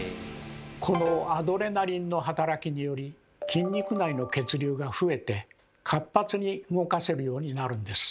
このアドレナリンの働きにより筋肉内の血流が増えて活発に動かせるようになるんです。